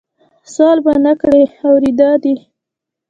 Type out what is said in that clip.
سوال به نه کړې اورېده دي